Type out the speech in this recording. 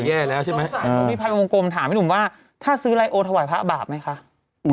แย่แล้วใช่ไหมอ่ามีภัยกลมกลมถามให้หนุ่มว่าถ้าซื้อไรโอทวายพระบาปไหมคะ